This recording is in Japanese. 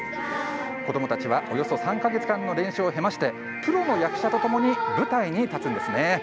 子どもたちはおよそ３か月間の練習を経てプロの役者とともに舞台に立つんです。